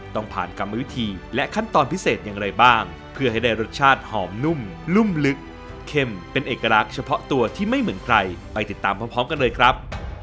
ต้องผ่านกรรมวิธีและขั้นตอนพิเศษอย่างไรบ้างเพื่อให้ได้รสชาติหอมนุ่มนุ่มลึกเข้มเป็นเอกลักษณ์เฉพาะตัวที่ไม่เหมือนใครไปติดตามพร้อมกันเลยครับ